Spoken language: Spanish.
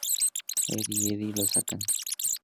Ed y Eddy lo sacan.